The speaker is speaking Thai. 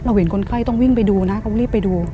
เห็นคนไข้ต้องวิ่งไปดูนะเขารีบไปดู